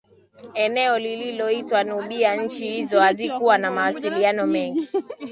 eneo lililoitwa Nubia Nchi hizo hazikuwa na mawasiliano mengi